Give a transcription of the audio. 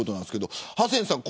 ハセンさん